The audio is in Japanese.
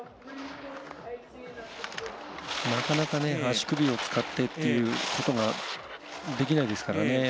なかなか足首を使ってということができないですからね。